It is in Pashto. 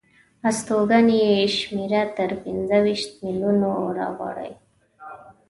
استوګنو یې شمېره تر پنځه ویشت میلیونو وراوړي.